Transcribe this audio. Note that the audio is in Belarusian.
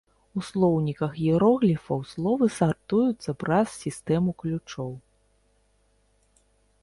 У слоўніках іерогліфаў словы сартуюцца праз сістэму ключоў.